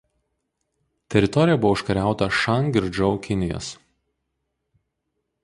Teritorija buvo užkariauta Šang ir Džou Kinijos.